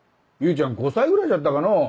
祐ちゃん５歳ぐらいじゃったかのう？